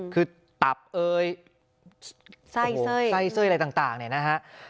คือตับไส้เส้ยอะไรต่างเนี่ยนะฮะ